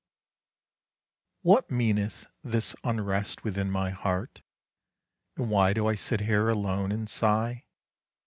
What meaneth this unrest within my heart, And why do I sit here alone and sigh?